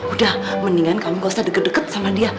udah mendingan kamu gak usah deket deket sama dia